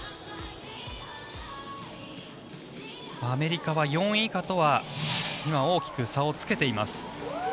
アメリカは４位以下とは大きく差をつけています。